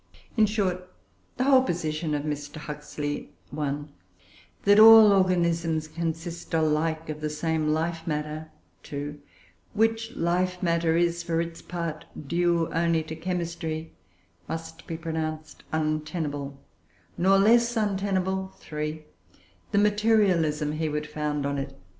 "] "In short, the whole position of Mr. Huxley, (1) that all organisms consist alike of the same life matter, (2) which life matter is, for its part, due only to chemistry, must be pronounced untenable nor less untenable (3) the materialism he would found on it."